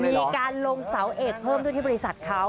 มีการลงเสาเอกเพิ่มด้วยที่บริษัทเขา